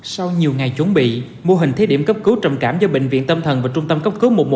sau nhiều ngày chuẩn bị mô hình thế điểm cấp cứu trầm cảm do bệnh viện tâm thần và trung tâm cấp cứu